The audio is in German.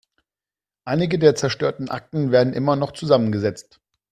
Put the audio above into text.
Einige der zerstörten Akten werden immer noch zusammengesetzt.